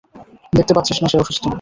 দেখতে পাচ্ছিস না সে অসুস্থ!